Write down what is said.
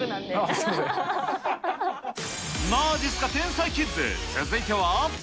まじっすか天才キッズ、続いては。